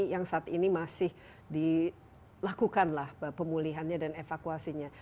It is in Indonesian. yang saat ini masih dilakukanlah pemulihannya dan evakuasinya